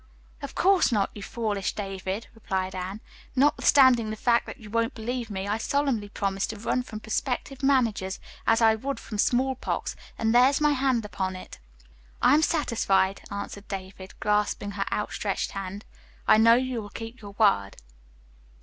"Of course not, you foolish David," replied Anne. "Notwithstanding the fact that you won't believe me, I solemnly promise to run from prospective managers, as I would from small pox, and there's my hand upon it." "I am satisfied," answered David, grasping her out stretched hand. "I know you will keep your word."